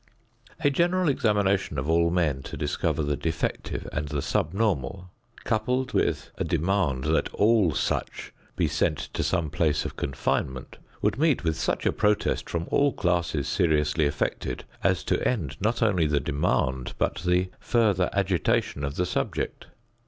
A general examination of all men to discover the defective and the sub normal, coupled with a demand that all such be sent to some place of confinement, would meet with such a protest from all classes seriously affected as to end not only the demand but the further agitation of the subject.